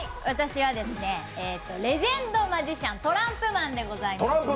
私はレジェンドマジシャントランプマンでございます。